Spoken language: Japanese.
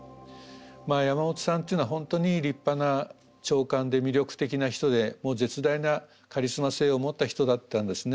山本さんっていうのは本当に立派な長官で魅力的な人でもう絶大なカリスマ性を持った人だったんですね。